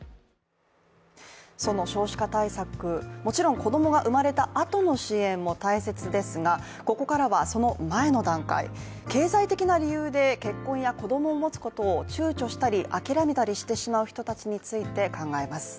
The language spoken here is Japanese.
その少子化対策、もちろん子供が生まれたあとの支援も大切ですが、ここからはその前の段階、経済的な理由で結婚や子供を持つことをちゅうちょしたり諦めたりしてしまう人たちについて考えます。